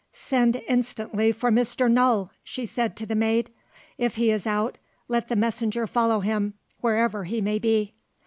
"Send instantly for Mr. Null," she said to the maid. "If he is out, let the messenger follow him, wherever he may be."